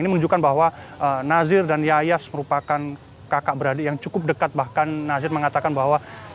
ini menunjukkan bahwa nazir dan yayas merupakan kakak beradik yang cukup dekat bahkan nazir mengatakan bahwa